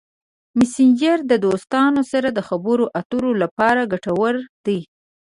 مسېنجر د دوستانو سره د خبرو اترو لپاره ګټور دی.